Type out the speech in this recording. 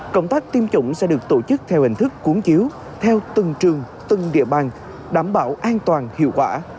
cộng tác tiêm chủng sẽ được tổ chức theo hình thức cuốn chiếu theo từng trường từng địa bàn đảm bảo an toàn hiệu quả